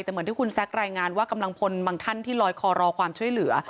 แต่เหมือนที่คุณแซครายงานว่ากำลังพลบางท่านที่ลอยคอรอความช่วยเหลือ